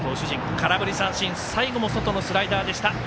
空振り三振最後ものスライダーでした。